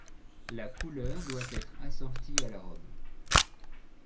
Leur couleur doit être assortie à la robe.